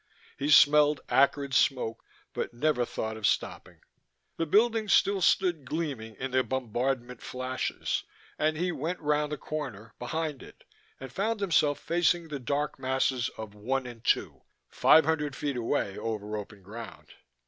He smelled acrid smoke, but never thought of stopping: the Building still stood gleaming in the bombardment flashes, and he went round the corner, behind it, and found himself facing the dark masses of One and Two, five hundred feet away over open ground.